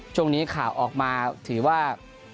ช่วงนี้ข่าวออกมาถือว่า